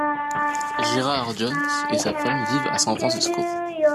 Gerard Jones et sa femme vivent à San Francisco.